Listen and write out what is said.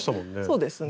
そうですね。